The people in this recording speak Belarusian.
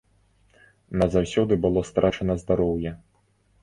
Назаўсёды было страчана здароўе.